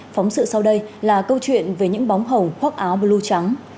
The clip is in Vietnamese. phóng sự sau đây là câu chuyện về những bóng hồng khoác áo blue trắng